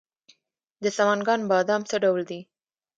د سمنګان بادام څه ډول دي؟